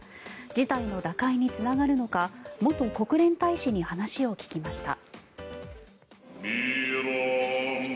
事態の打開につながるのか元国連大使に話を聞きました。